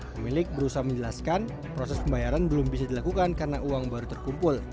pemilik berusaha menjelaskan proses pembayaran belum bisa dilakukan karena uang baru terkumpul